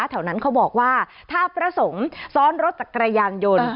แถวนั้นเขาบอกว่าถ้าพระสงฆ์ซ้อนรถจักรยานยนต์